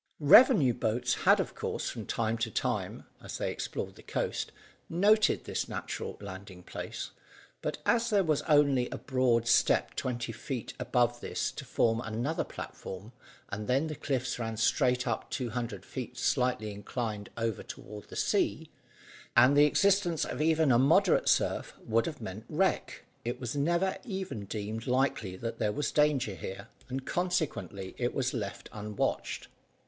Revenue boats had of course, from time to time, as they explored the coast, noted this natural landing place, but as there was only a broad step twenty feet above this to form another platform, and then the cliffs ran straight up two hundred feet slightly inclined over toward the sea, and the existence of even a moderate surf would have meant wreck, it was never even deemed likely that there was danger here, and consequently it was left unwatched.